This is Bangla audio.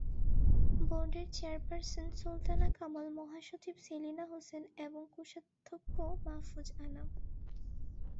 বোর্ডের চেয়ারপারসন সুলতানা কামাল, মহাসচিব সেলিনা হোসেন এবং কোষাধ্যক্ষ মাহফুজ আনাম।